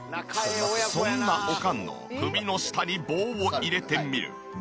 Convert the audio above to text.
そんなおかんの首の下に棒を入れてみる。